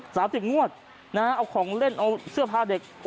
ใช่๓๐งวดเอาของเล่นเอาเสื้อผ้าเด็ก